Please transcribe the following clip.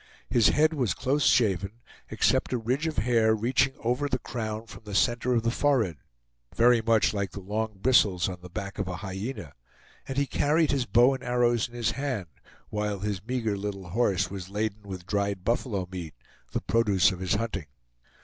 His head was close shaven, except a ridge of hair reaching over the crown from the center of the forehead, very much like the long bristles on the back of a hyena, and he carried his bow and arrows in his hand, while his meager little horse was laden with dried buffalo meat, the produce of his hunting.